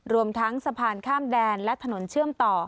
รวมทั้งสะพานข้ามแดนและถนนเชื่อมต่อ